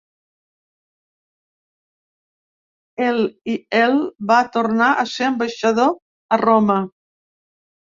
El i el va tornar a ser ambaixador a Roma.